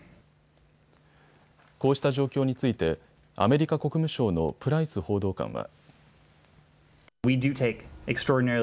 こうした状況についてアメリカ国務省のプライス報道官は。